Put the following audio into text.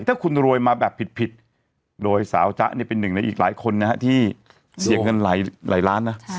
ถ้าคุณรวยมาแบบผิดโดยสาวจ๊ะเนี่ยเป็นหนึ่งในอีกหลายคนนะฮะที่เสียเงินหลายล้านนะ